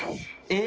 え！